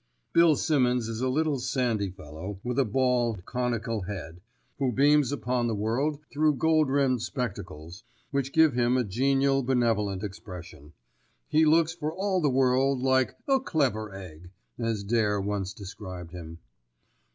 Bill Simmonds is a little sandy fellow, with a bald, conical head, who beams upon the world through gold rimmed spectacles, which give him a genial, benevolent expression. He looks for all the world like "a clever egg," as Dare once described him.